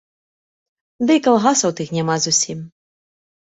Ды і калгасаў тых няма зусім.